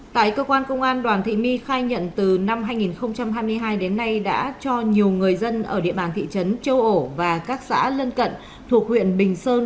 tại cơ quan công an đoàn thị my khai nhận từ năm hai nghìn hai mươi hai đến nay đã cho nhiều người dân ở địa bàn thị trấn châu ổ và các xã lân cận thuộc huyện bình sơn